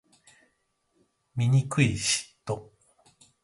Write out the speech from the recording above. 醜い嫉妬